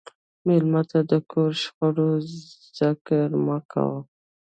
مېلمه ته د کور د شخړو ذکر مه کوه.